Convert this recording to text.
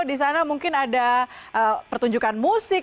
di sana mungkin ada pertunjukan musik